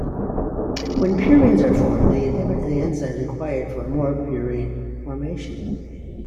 When purines are formed, they inhibit the enzymes required for more purine formation.